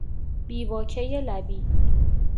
بی واکهی لبی